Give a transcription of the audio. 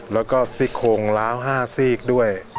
แล้วก็ซี่โคงล้าว๕ซีกด้วย